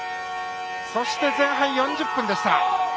そして、前半４０分でした。